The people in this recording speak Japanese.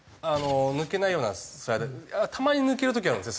抜けないようなスライダーたまに抜ける時あるんですね